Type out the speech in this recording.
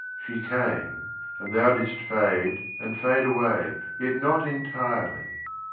She came, and thou didst fade and fade away Yet not entirely